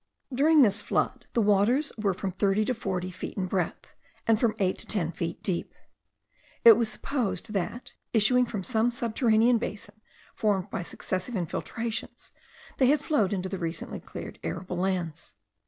During this flood the waters were from thirty to forty feet in breadth, and from eight to ten feet deep. It was supposed that, issuing from some subterranean basin, formed by successive infiltrations, they had flowed into the recently cleared arable lands.